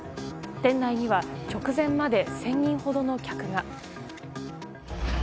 店内には直前まで１０００人ほどの客が。